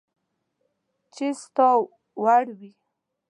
چي ستا وړ وي